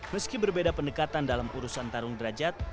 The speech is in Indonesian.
meski berbeda pendekatan dalam urusan tarung derajat